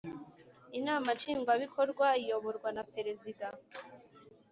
Inama nshingwa bikorwa iyoborwa na Perezida